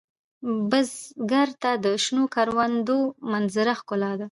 بزګر ته د شنو کروندو منظره ښکلا ده